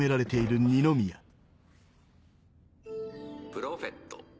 「プロフェット」。